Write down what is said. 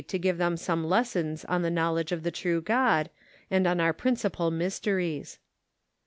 give them some lessons on the knowledge of the true Qod, and on our principal mysteries.